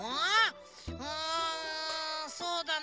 うんそうだな。